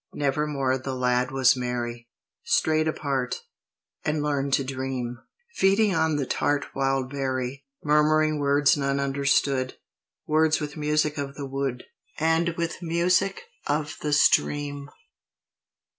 Never more the lad was merry, Strayed apart, and learned to dream, Feeding on the tart wild berry; Murmuring words none understood, Words with music of the wood, And with music of the stream.